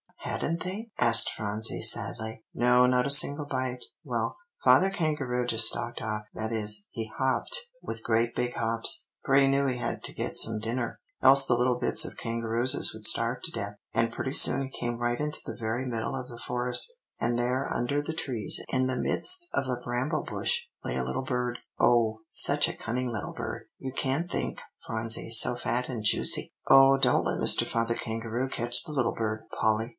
"Hadn't they?" asked Phronsie sadly. "No, not a single bite. Well, Father Kangaroo just stalked off, that is, he hopped with great big hops, for he knew he had to get some dinner, else the little bits of kangarooses would starve to death. And pretty soon he came right into the very middle of the forest; and there under the trees, in the midst of a bramble bush, lay a little bird, Oh, such a cunning little bird, you can't think, Phronsie, so fat and juicy!" "Oh, don't let Mr. Father Kangaroo catch the little bird, Polly!"